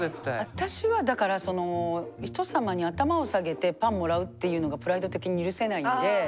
私はだからその人様に頭を下げてパンもらうっていうのがプライド的に許せないんで。